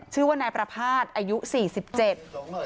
ชื่อว่านายประภาษณ์อายุสี่สิบเจ็ด